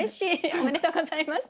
おめでとうございます。